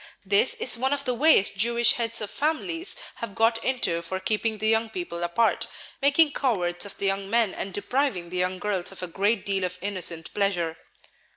This is one of the ways Jewish heads of families have got into for keeping the young people apart, making cowards of the young men, and depriving the young girls of a great deal of innocent pleasure.